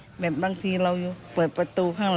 ได้นำเรื่องราวมาแชร์ในโลกโซเชียลจึงเกิดเป็นประเด็นอีกครั้ง